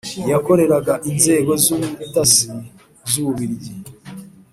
yakoreraga inzego z' ubutasi z' u bubiligi,